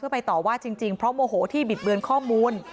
ไปต่อว่าจริงเพราะโมโหที่บิดเบือนข้อมูล